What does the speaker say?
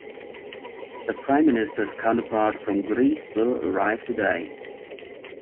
The prime minister's counterpart from Greece will arrive today.